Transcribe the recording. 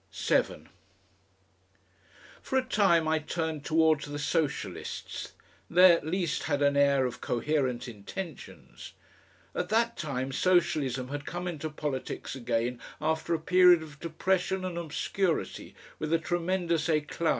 7 For a time I turned towards the Socialists. They at least had an air of coherent intentions. At that time Socialism had come into politics again after a period of depression and obscurity, with a tremendous ECLAT.